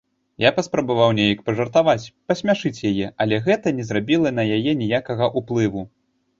Я паспрабаваў неяк пажартаваць, пасмяшыць яе, але гэта не зрабіла на яе ніякага ўплыву.